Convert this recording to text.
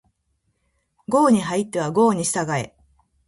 郷に入っては郷に従え